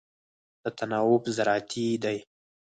دا تناوب زراعتي دی.